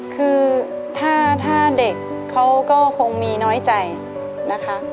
คือถ้าเด็กเขาก็คงมีน้อยใจนะคะ